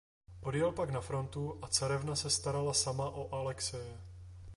Odjel pak na frontu a carevna se starala sama o Alexeje.